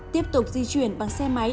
tiếp tục di chuyển bằng xe máy